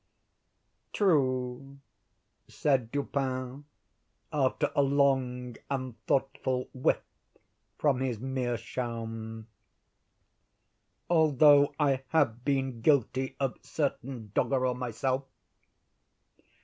"True," said Dupin, after a long and thoughtful whiff from his meerschaum, "although I have been guilty of certain doggrel myself."